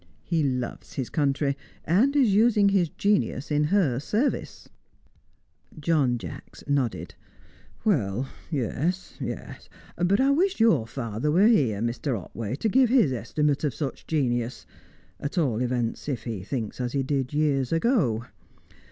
He loves his country, and is using his genius in her service." John Jacks nodded. "Well, yes, yes. But I wish your father were here, Mr. Otway, to give his estimate of such genius; at all events if he thinks as he did years ago.